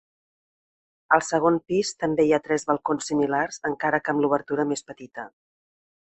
Al segon pis també hi ha tres balcons similars, encara que amb l'obertura més petita.